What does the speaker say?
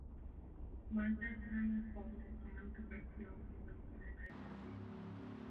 Mae'r Ddarpariaeth hon yn sail gyfreithiol i weithgareddau'r Llys.